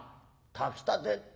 炊きたて？